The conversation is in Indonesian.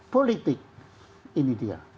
politik ini dia